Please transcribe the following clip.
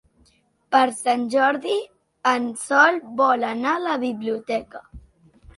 Per Sant Jordi en Sol vol anar a la biblioteca.